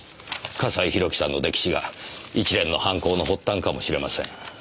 笠井宏樹さんの溺死が一連の犯行の発端かもしれません。